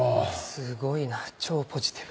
すごいな超ポジティブ。